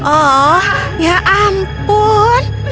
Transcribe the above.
oh ya ampun